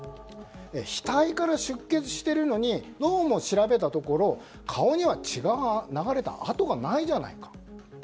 額から出血しているのにどうも調べたところ顔には血が流れた痕がないじゃないかと。